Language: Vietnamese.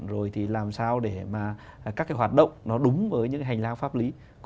rồi thì làm sao để mà các cái hoạt động nó đúng với những cái hành lang pháp lý